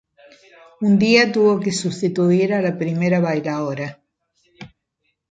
Un día tuvo que sustituir a la primera bailaora.